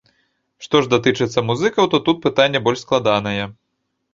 Што ж датычыцца музыкаў, то тут пытанне больш складанае.